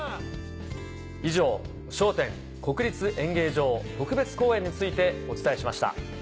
以上『笑点』国立演芸場特別公演についてお伝えしました。